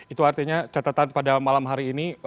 itu artinya catatan pada malam hari ini